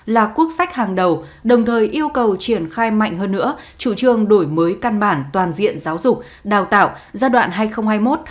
là quốc sách hàng đầu đồng thời yêu cầu triển khai mạnh hơn nữa chủ trương đổi mới căn bản toàn diện giáo dục đào tạo giai đoạn hai nghìn hai mươi hai nghìn hai mươi một